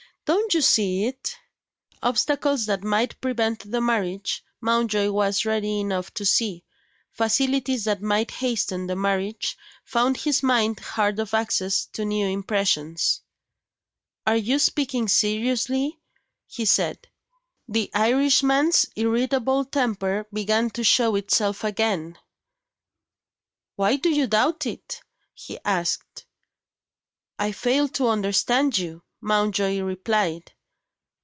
Don't you see it?" Obstacles that might prevent the marriage Mountjoy was ready enough to see. Facilities that might hasten the marriage found his mind hard of access to new impressions. "Are you speaking seriously?" he said. The Irishman's irritable temper began to show itself again. "Why do you doubt it?" he asked. "I fail to understand you," Mountjoy replied.